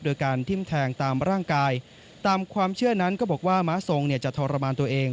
โดยการทิ้มแทงตามร่างกายตามความเชื่อนั้นก็บอกว่าม้าทรงเนี่ยจะทรมานตัวเอง